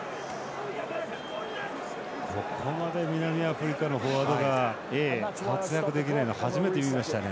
ここまで南アフリカのフォワードが活躍できないの初めて見ましたね。